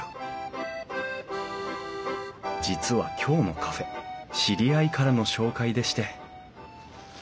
実は今日のカフェ知り合いからの紹介でして。